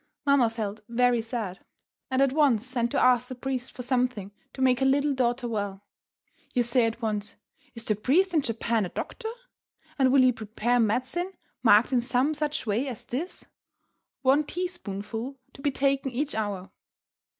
Mamma felt very sad, and at once sent to ask the priest for something to make her little daughter well. You say at once, "Is the priest in Japan a doctor? And will he prepare medicine marked in some such way as this: 'One teaspoonful to be taken each hour?'"